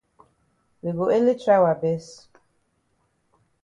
We go ele try wa best.